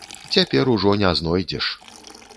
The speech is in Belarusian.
Цяпер ужо не знойдзеш.